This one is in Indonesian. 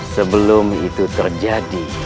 sebelum itu terjadi